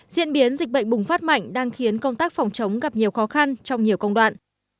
diễn biến dịch bệnh bùng phát mạnh đang khiến công tác phòng chống gặp nhiều khó khăn trong nhiều công đoạn